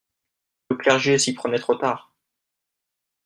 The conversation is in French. Le clergé s'y prenait trop tard.